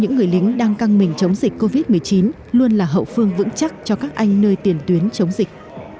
những người lính đang căng mình chống dịch covid một mươi chín luôn là hậu phương vững chắc cho các anh nơi tiền tuyến chống dịch